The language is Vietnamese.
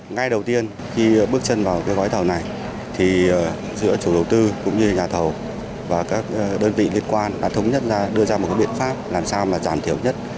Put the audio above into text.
ngay đầu tiên khi bước chân vào cái gói thầu này thì giữa chủ đầu tư cũng như nhà thầu và các đơn vị liên quan đã thống nhất ra đưa ra một biện pháp làm sao mà giảm thiểu nhất